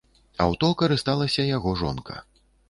Аўто карысталася яго жонка.